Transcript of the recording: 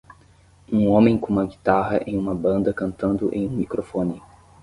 um homem com uma guitarra em uma banda cantando em um microfone